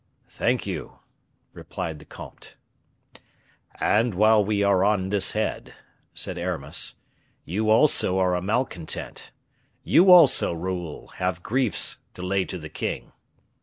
"Thank you," replied the comte. "And while we are on this head," said Aramis, "you also are a malcontent; you also, Raoul, have griefs to lay to the king.